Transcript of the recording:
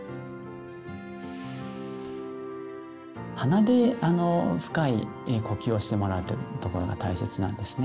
鼻で深い呼吸をしてもらうってところが大切なんですね。